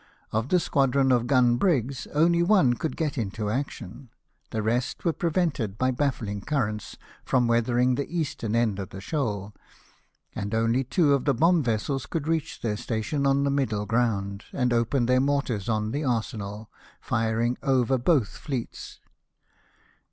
Of the squadron of gun brigs, only one could get into action ; the rest were pre vented, by baffling currents, from weathering the eastern end of the shoal ; and only two of the bomb vessels could reach their station on the Middle Ground, and open their mortars on the arsenal, tirinsf over both fleets.